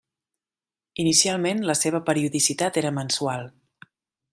Inicialment la seva periodicitat era mensual.